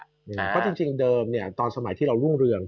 เพราะจริงเดิมตอนสมัยที่เรารุ่งเรือง